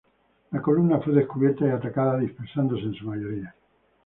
La columna fue descubierta y atacada, dispersándose en su mayoría.